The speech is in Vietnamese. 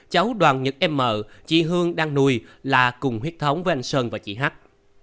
cháu đoàn nhật m chị hương đang nuôi là cùng huyết thống với anh sơn và chị hắc